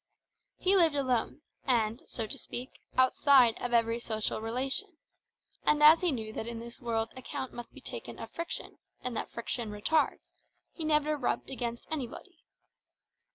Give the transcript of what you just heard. He lived alone, and, so to speak, outside of every social relation; and as he knew that in this world account must be taken of friction, and that friction retards, he never rubbed against anybody.